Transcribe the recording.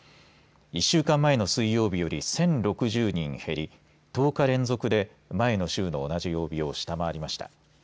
１週間前の水曜日より１０６０人減り１０日連続で前の週の同じ曜日を下回りました。